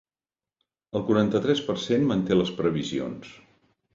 El quaranta-tres per cent manté les previsions.